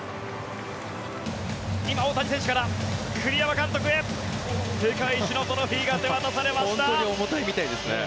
今、大谷選手から栗山監督へ世界一のトロフィーが手渡されました！